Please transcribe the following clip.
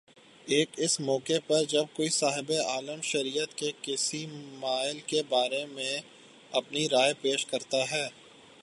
ایک اس موقع پر جب کوئی صاحبِ علم شریعت کے کسی مئلے کے بارے میں اپنی رائے پیش کرتا ہے